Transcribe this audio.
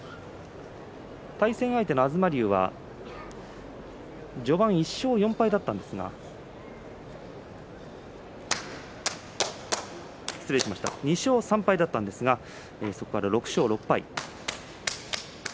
対戦相手の東龍は序盤１勝４敗だったんですが失礼しました２勝３敗だったんですがそこから６勝６敗。